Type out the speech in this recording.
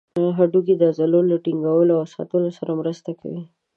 هډوکي د عضلو له ټینګولو او ساتلو سره مرسته کوي.